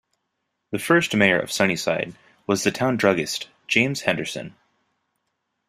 The first mayor of Sunnyside was the town druggist James Henderson.